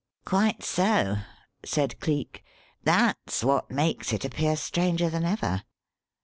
"Quite so," said Cleek. "That's what makes it appear stranger than ever.